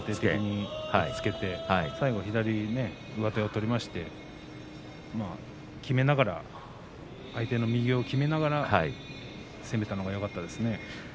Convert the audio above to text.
押っつけて最後、左上手を取りましてきめながら相手の右をきめながら攻めたのがよかったですね。